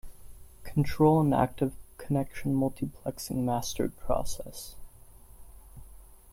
Control an active connection multiplexing master process.